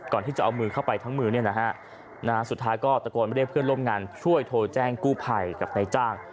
ก่อนที่จะเอามือเข้าไปทั้งมือเนี่ยนะฮะสุดท้ายก็ตะโกนเรียกเพื่อนร่วมงานช่วยโทรแจ้งกู้ภัยกับนายจ้าง